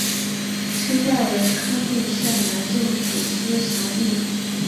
清代为康定县南境土司辖地。